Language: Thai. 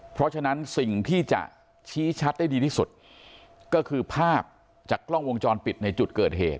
เพราะฉะนั้นสิ่งที่จะชี้ชัดได้ดีที่สุดก็คือภาพจากกล้องวงจรปิดในจุดเกิดเหตุ